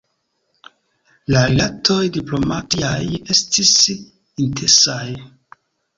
La rilatoj diplomatiaj estis intensaj.